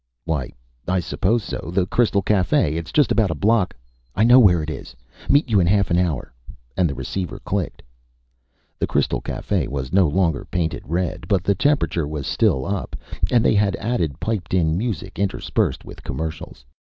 "Why, I suppose so. The Crystal Cafe. It's just about a block " "I know where it is. Meet you in half an hour!" And the receiver clicked. The Crystal Cafe was no longer painted red, but the temperature was still up. And they had added piped in music interspersed with commercials.